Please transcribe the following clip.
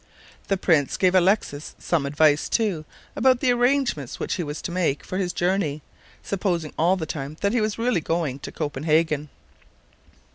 The prince gave Alexis some advice, too, about the arrangements which he was to make for his journey, supposing all the time that he was really going to Copenhagen.